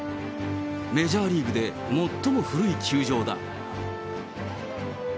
メジャーリーグで、もっとも古い球場だ。